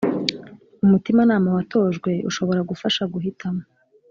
Umutimanama watojwe ushobora kugufasha guhitamo